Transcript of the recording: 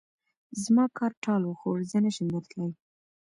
زما کار ټال وخوړ؛ زه نه شم درتلای.